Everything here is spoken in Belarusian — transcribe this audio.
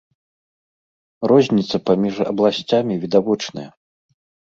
Розніца паміж абласцямі відавочная.